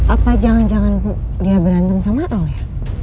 apa jangan jangan dia berantem sama al ya